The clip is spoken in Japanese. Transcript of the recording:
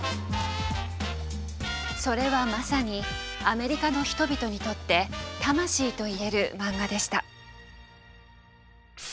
それはまさにアメリカの人々にとって魂といえるマンガでした。